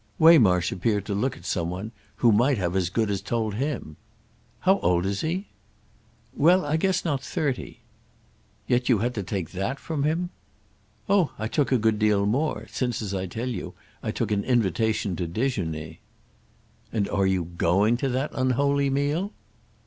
Waymarsh appeared to look at some one who might have as good as told him. "How old is he?" "Well, I guess not thirty." "Yet you had to take that from him?" "Oh I took a good deal more—since, as I tell you, I took an invitation to déjeuner." "And are you going to that unholy meal?"